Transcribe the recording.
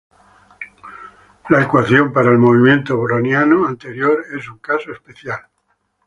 La ecuación para el movimiento browniano anterior es un caso especial.